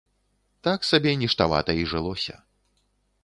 Так сабе ніштавата і жылося.